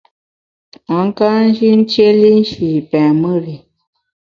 A ka nji ntiéli nshi pèn mùr i.